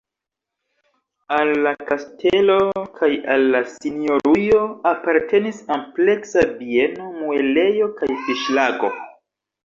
Al la kastelo kaj al la sinjorujo apartenis ampleksa bieno, muelejo kaj fiŝlago.